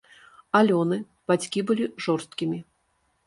Алёны, бацькі былі жорсткімі.